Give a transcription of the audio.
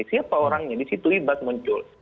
siapa orangnya disitu ibat muncul